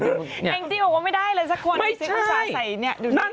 แอ้จีย์บอกไม่ได้เลยสักคนสิวัปดาห์ใส่นี้ใช่มั้ย